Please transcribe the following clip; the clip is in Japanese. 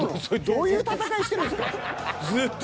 どういう戦いしてるんですかずっと。